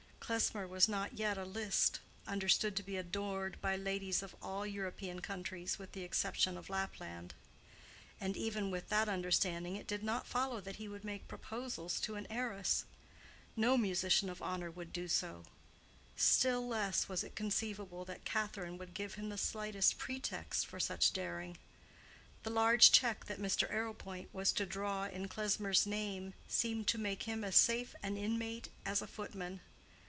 Klesmer was not yet a Liszt, understood to be adored by ladies of all European countries with the exception of Lapland: and even with that understanding it did not follow that he would make proposals to an heiress. No musician of honor would do so. Still less was it conceivable that Catherine would give him the slightest pretext for such daring. The large check that Mr. Arrowpoint was to draw in Klesmer's name seemed to make him as safe an inmate as a footman.